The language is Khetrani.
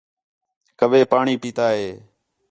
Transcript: کوّے پاݨی پیتا ہِے